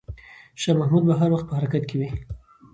شاه محمود به هر وخت په حرکت کې وي.